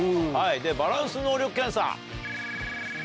でバランス能力検査。